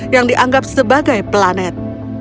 yang dianggap sebagai planet